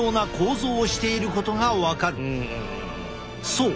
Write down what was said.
そう。